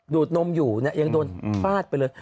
ดูดนมอยู่เนี่ยยังโดนฟาดไปเลย